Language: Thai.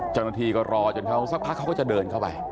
เจ้าหน้าที่ก็รอจนเขาสักพักเขาก็จะเดินเข้าไป